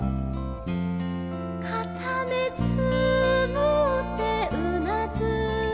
「かためつむってうなずいた」